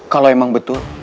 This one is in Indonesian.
kalau memang betul